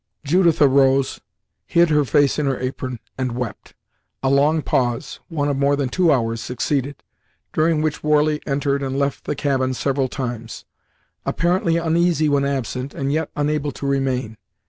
Judith arose, hid her face in her apron, and wept. A long pause one of more than two hours succeeded, during which Warley entered and left the cabin several times; apparently uneasy when absent, and yet unable to remain.